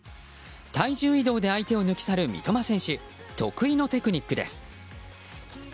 体重移動で相手を抜き去る三笘選手得意のテクニックです。